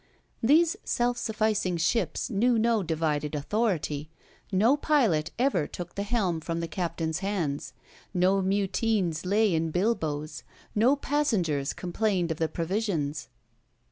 These self sufficing ships knew no divided authority: no pilot ever took the helm from the captain's hands; no mutines lay in bilboes, no passengers complained of the provisions.